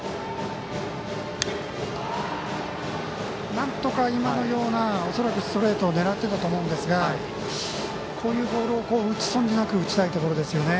なんとか今のような恐らくストレートを狙ってたと思うんですがこういうボールを打ち損じなく打ちたいところですよね。